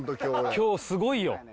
今日すごいよ。